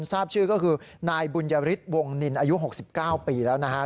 ทราบชื่อก็คือนายบุญยฤทธิวงนินอายุ๖๙ปีแล้วนะฮะ